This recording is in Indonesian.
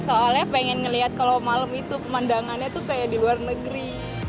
soalnya pengen ngeliat kalau malam itu pemandangannya tuh kayak di luar negeri